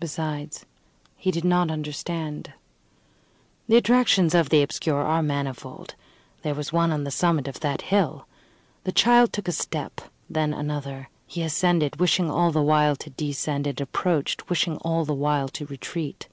Besides, he did not understand. The attractions of the obscure are manifold. There was one on the summit of that hill. The child took a step, then another; he ascended, wishing all the while to descend; and approached, wishing all the while to retreat.